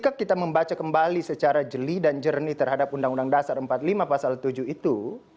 ketika kita membaca kembali secara jeli dan jernih terhadap undang undang dasar empat puluh lima pasal tujuh itu